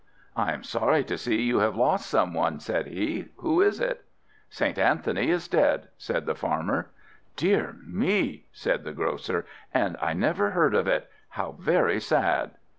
"I am sorry to see you have lost some one," said he; "who is it?" "St. Anthony is dead," said the Farmer. "Dear me," said the Grocer, "and I never heard of it. How very sad!"